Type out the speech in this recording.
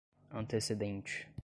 antecedente